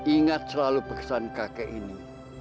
ingat selalu pesan kakek ini